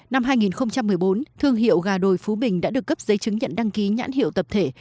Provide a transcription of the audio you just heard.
năm hai nghìn một mươi bốn thương hiệu gà đồi phú bình đã được cấp giấy chứng nhận đăng ký nhãn hiệu tập thể